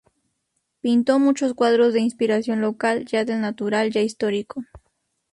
Pintó muchos cuadros de inspiración local, ya del natural, ya histórico.